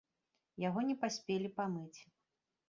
Яго не паспелі памыць.